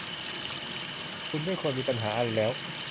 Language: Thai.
คุณไม่ควรมีปัญหาอะไรแล้ว